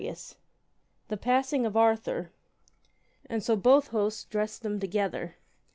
THE PASSING OF ARTHUR And so both hosts dressed them together.